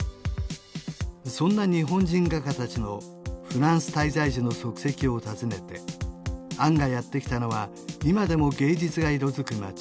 そんな日本人画家たちのフランス滞在時の足跡を訪ねて杏がやってきたのは今でも芸術が色づく街